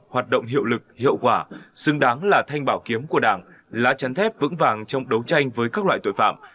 hoạt động hiệu lực hiệu quả xứng đáng là thanh bảo kiếm của đảng lá chắn thép vững vàng trong đấu tranh với các loại tội phạm